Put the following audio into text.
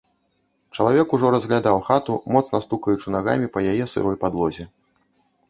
Чалавек ужо разглядаў хату, моцна стукаючы нагамі па яе сырой падлозе.